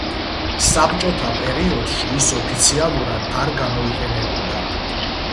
საბჭოთა პერიოდში ის ოფიციალურად არ გამოიყენებოდა.